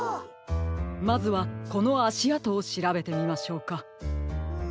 まずはこのあしあとをしらべてみましょうか。